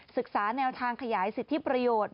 ศึกษาแนวทางขยายสิทธิประโยชน์